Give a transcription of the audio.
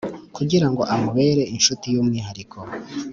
kugira ngo amubere inshuti y’umwihariko